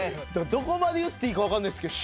どこまで言っていいか分かんないっすけど。